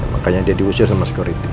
makanya dia diusir sama security